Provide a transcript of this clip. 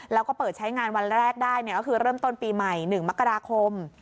แล้วก็เปิดใช้งานวันแรกได้ก็คือเริ่มต้นปีใหม่๑มกราคม